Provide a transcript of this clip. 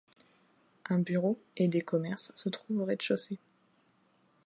Un bureau et des commerces se trouvent au rez-de-chaussée.